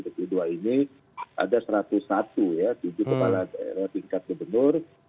tujuh kepala daerah tingkat kebenar